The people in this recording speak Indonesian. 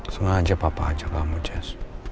sengaja bapak ajak kamu jess